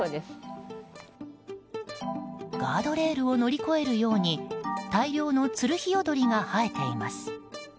ガードレールを乗り越えるように大量のツルヒヨドリが生えています。